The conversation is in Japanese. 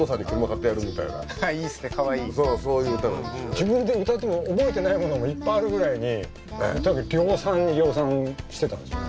自分で歌っても覚えてないものもいっぱいあるぐらいに量産に量産してたんですね